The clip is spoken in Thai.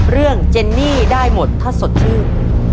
เรื่องเจนี่ได้หมดถ้าสดชื่น